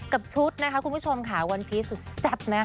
กับชุดนะคะคุณผู้ชมค่ะวันพีชสุดแซ่บนะ